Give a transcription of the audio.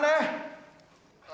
ngapain sih kamu